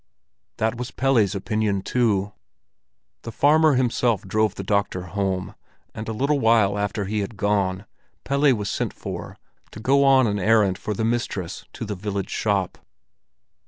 That was Pelle's opinion too. The farmer himself drove the doctor home, and a little while after he had gone, Pelle was sent for, to go on an errand for the mistress to the village shop.